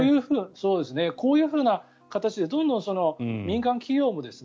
こういうふうな形でどんどん民間企業も。